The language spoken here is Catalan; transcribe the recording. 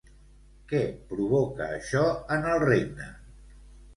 Què provoca això en el regne?